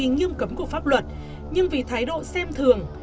hội đồng xét xử không cấm cuộc pháp luật nhưng vì thái độ xem thường